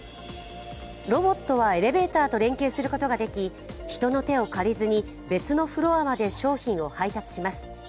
ロボットはエレベーターと連携することができ、人の手を借りずに別のフロアまで商品を配達します。